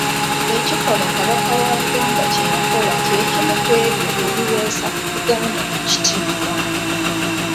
Ekikolwa Kabaka w'e Buganda kye yakola kye kimu ku ebyo ebiweesa Buganda ekitiibwa.